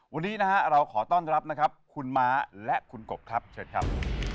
วันนี้นะฮะเราขอต้อนรับนะครับคุณม้าและคุณกบครับเชิญครับ